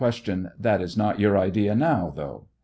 That is not your idea now, though